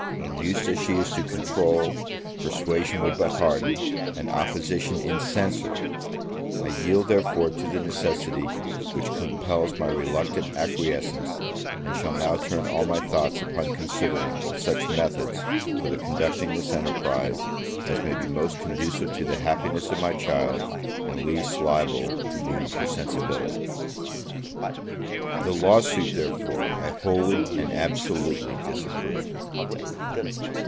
Unused as she is to control, persuasion would but harden, and opposition incense her. I yield, therefore, to the necessity which compels my reluctant acquiescence; and shall now turn all my thoughts upon considering of such methods for the conducting this enterprise, as may be most conducive to the happiness of my child and least liable to wound her sensibility. The law suit, therefore, I wholly and absolutely disapprove.